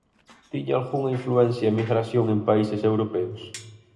Tiña algunha influencia a emigración en países europeos?